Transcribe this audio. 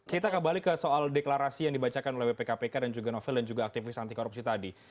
kita kembali ke soal deklarasi yang dibacakan oleh bpkpk dan juga novel dan juga aktivis anti korupsi tadi